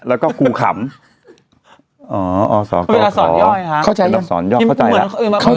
แล้วก็กูขำอ๋ออ๋อสกคเวลาสอนย่อยค่ะเข้าใจแล้ว